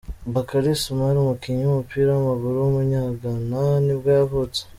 Bakary Soumaré, umukinnyi w’umupira w’amaguru w’umunyagana nibwo yavutse.